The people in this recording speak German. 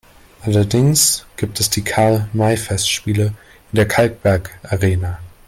Allerdings gibt es die Karl-May-Festspiele in der Kalkbergarena.